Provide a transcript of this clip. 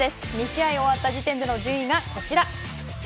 ２試合終わった時点での順位がこちら。